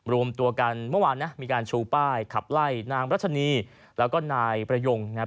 รวมตัวกันเมื่อวานนะมีการชูป้ายขับไล่นางรัชนีแล้วก็นายประยงนะครับ